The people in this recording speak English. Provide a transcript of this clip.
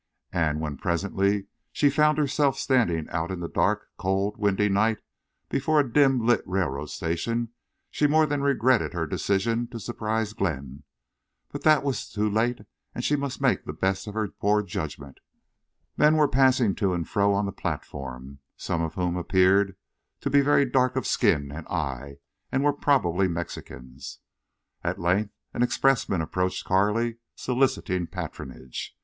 And when, presently, she found herself standing out in the dark, cold, windy night before a dim lit railroad station she more than regretted her decision to surprise Glenn. But that was too late and she must make the best of her poor judgment. Men were passing to and fro on the platform, some of whom appeared to be very dark of skin and eye, and were probably Mexicans. At length an expressman approached Carley, soliciting patronage.